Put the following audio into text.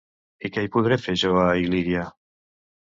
I què hi podré fer jo a Il·líria?